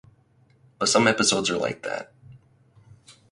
But some episodes are like that.